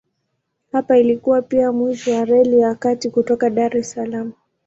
Hapa ilikuwa pia mwisho wa Reli ya Kati kutoka Dar es Salaam.